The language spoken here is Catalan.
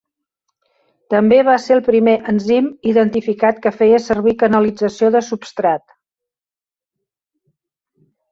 També va ser el primer enzim identificat que feia servir canalització de substrat.